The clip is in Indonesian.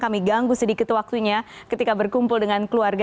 kami ganggu sedikit waktunya ketika berkumpul dengan keluarga